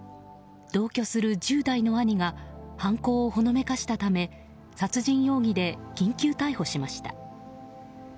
同居する１０代の兄が犯行をほのめかしたため殺人容疑で緊急逮捕しました。